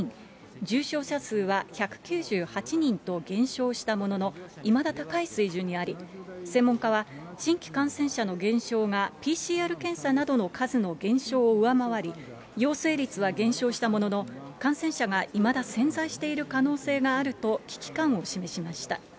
重症者数は１９８人と減少したものの、いまだ高い水準にあり、専門家は、新規感染者の減少がＰＣＲ検査などの数の減少を上回り、陽性率は減少したものの、感染者がいまだ潜在している可能性があると危機感を示しました。